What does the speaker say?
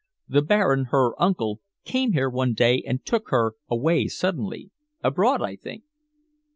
The Baron, her uncle, came here one day and took her away suddenly abroad, I think."